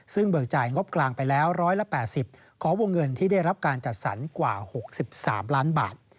ซึ่งเบิกจ่ายงบกลางไปแล้ว๑๘๐ขอวงเงินที่ได้รับการจัดสรรกว่า๖๓ล้านบาท